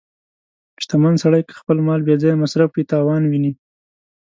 • شتمن سړی که خپل مال بې ځایه مصرف کړي، تاوان ویني.